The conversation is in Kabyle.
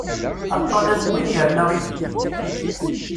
Aṭṭan am win yerna ibeddi.